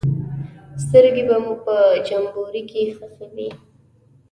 سترګې به مو په جمبوري کې ښخې وې.